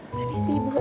terima kasih bu